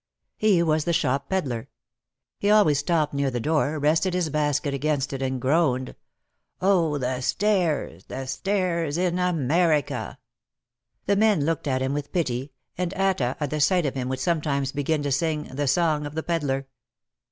He was the shop pedlar. He always stopped near the door, rested his basket against it and groaned: "Oh, the stairs, the stairs in America !" The men looked at him with pity and Atta at the sight of him would sometimes begin to sing "The Song of the Pedlar."